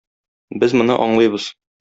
Без моны аңлыйбыз.